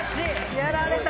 やられた！